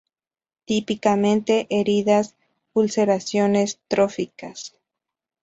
Tópicamente: heridas, ulceraciones tróficas.